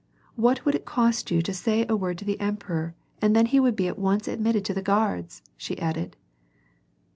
" What would it cost you to say a word to the emperor and then he would be at once admitted to the Guards !" she added.